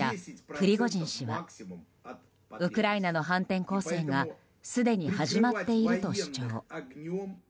プリゴジン氏はウクライナの反転攻勢がすでに始まっていると主張。